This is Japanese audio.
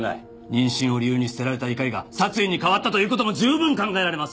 妊娠を理由に捨てられた怒りが殺意に変わったという事も十分考えられます！